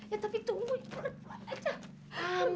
ya tapi tunggu ibu